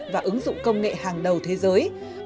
và ứng dụng công nghệ hàng đầu thế giới